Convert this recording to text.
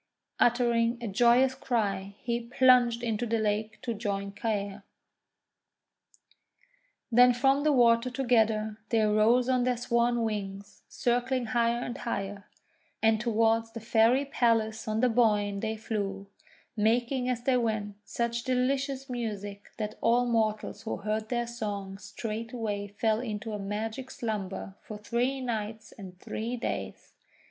Uttering a joyous cry he plunged into the lake to join Caer. Then from the water together they rose on their swan wings, circling higher and higher, and toward the Fairy Palace on the Boyne they flew, making as they went such delicious music that all mortals who heard their song straightway fell into a magic slumber for three nights and three days.